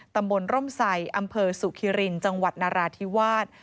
ตำบลร่มใส่อำเภอสุคิรินจังหวัดนาราธิวาส